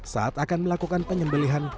saat akan melakukan penyembelihan